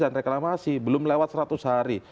dan reklamasi belum lewat seratus hari